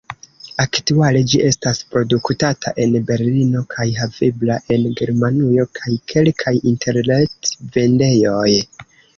Aktuale ĝi estas produktata en Berlino kaj havebla en Germanujo kaj kelkaj interret-vendejoj.